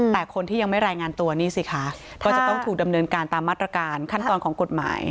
แต่คนที่ยังไม่รายงานตัวนี่สิคะก็จะต้องถูกดำเนินการตามมาตรการขั้นตอนของกฎหมาย